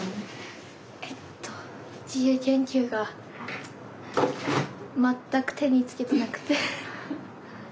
えっと自由研究が全く手につけてなくて。